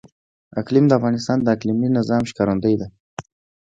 اقلیم د افغانستان د اقلیمي نظام ښکارندوی ده.